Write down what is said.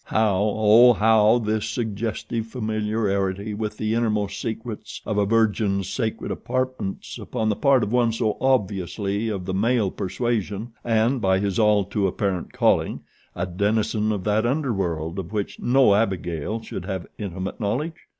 How, Oh how, this suggestive familiarity with the innermost secrets of a virgin's sacred apartments upon the part of one so obviously of the male persuasion and, by his all too apparent calling, a denizen of that underworld of which no Abigail should have intimate knowledge?